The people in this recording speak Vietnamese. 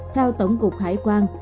theo tổng cục hải quan